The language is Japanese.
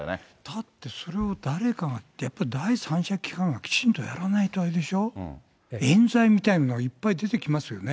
だってそれを誰かが、やっぱり第三者機関がきちんとやらないとあれでしょ、えん罪みたいなのがいっぱい出てきますよね。